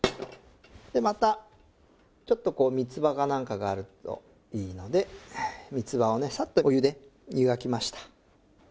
でまたちょっとこう三つ葉なんかがあるといいので三つ葉をねさっとお湯でゆがきました。